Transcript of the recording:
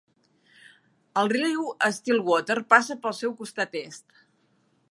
El riu Stillwater passa pel seu costat est.